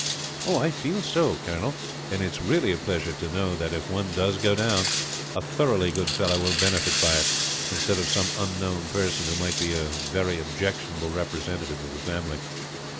"I feel so, Colonel; and it is really a pleasure to know that, if one does go down, a thoroughly good fellow will benefit by it, instead of some unknown person who might be a very objectionable representative of the family."